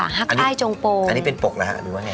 เพลงฮักไอ้จงโปงจะออกแนวสลุกสนานน่ารัก